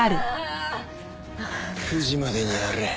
９時までにやれ。